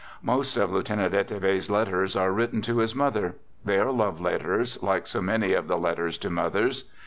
Most of Lieutenant Eteve's letters are written to his mother. They are love letters, like so many of the letters to mothers.